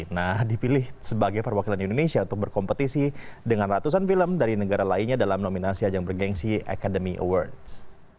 nah dipilih sebagai perwakilan indonesia untuk berkompetisi dengan ratusan film dari negara lainnya dalam nominasi ajang bergensi academy awards